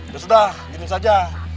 ya sudah gini saja